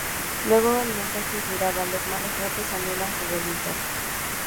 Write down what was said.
Luego el mensaje giraba: 'Los malos tratos anulan su voluntad.